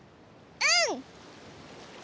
うん？